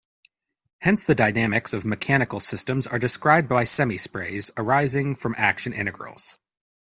Hence the dynamics of mechanical systems are described by semisprays arising from action integrals.